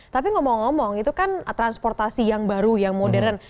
tapi ngomong ngomong itu kan transportasi yang baru yang modern